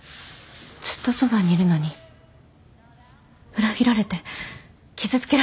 ずっとそばにいるのに裏切られて傷つけられたら？